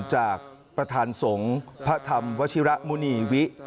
จากประธานสงฆ์พระธรรมวชิระมุณีวิ